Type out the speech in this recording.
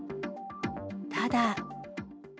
ただ。